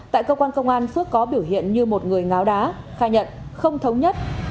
tại công an công an phước có biểu hiện như một người ngáo đá khai nhận không thống nhất